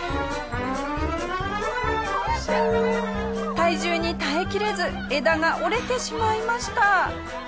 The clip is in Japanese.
体重に耐えきれず枝が折れてしまいました。